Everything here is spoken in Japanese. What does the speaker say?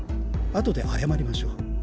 あとで謝りましょう。